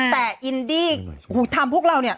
แต่อินดี้ทำพวกเรา